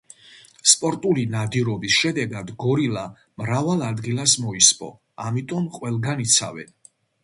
სპორტული ნადირობის შედეგად გორილა მრავალ ადგილას მოისპო, ამიტომ ყველგან იცავენ.